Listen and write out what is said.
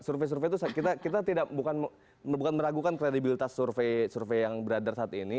survei survei itu kita bukan meragukan kredibilitas survei yang beredar saat ini